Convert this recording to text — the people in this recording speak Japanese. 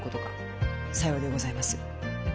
さようでございます。